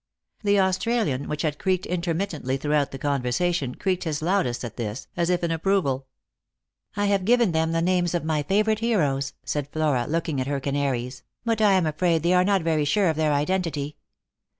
The Australian, which had creaked intermittently through out the conversation, creaked his loudest at this, as if in approval. " I have given them the names of my favourite heroes," said Flora, looking at her canaries, " but I am afraid they are not very sure of their identity.